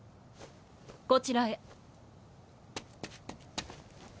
こちらへ。